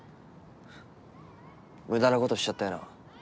無駄なことしちゃったよな